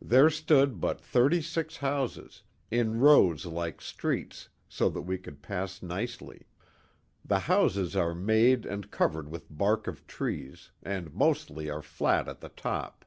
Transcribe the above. There stood but thirty six houses, in rows like streets, so that we could pass nicely. The houses are made and covered with bark of trees, and mostly are flat at the top.